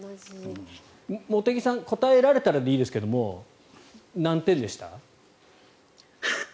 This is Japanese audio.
茂木さん答えられたらでいいですけど何点でした？